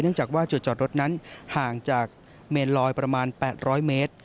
จากว่าจุดจอดรถนั้นห่างจากเมนลอยประมาณ๘๐๐เมตร